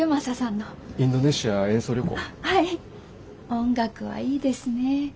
音楽はいいですね。